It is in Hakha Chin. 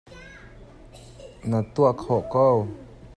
Na tuah khawh ko.